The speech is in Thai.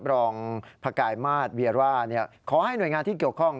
รองพกายมาสเวียร่าขอให้หน่วยงานที่เกี่ยวข้อง